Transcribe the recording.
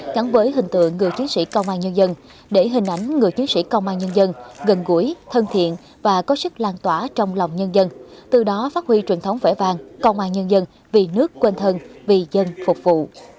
gắn với hình tượng người chiến sĩ công an nhân dân để hình ảnh người chiến sĩ công an nhân dân gần gũi thân thiện và có sức lan tỏa trong lòng nhân dân từ đó phát huy truyền thống vẽ vang công an nhân dân vì nước quên thân vì dân phục vụ